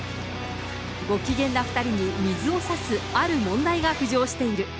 ご機嫌な２人に水を差すある問題が浮上している。